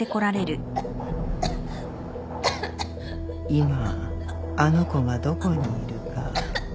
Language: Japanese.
今あの子がどこにいるか。